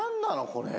これ。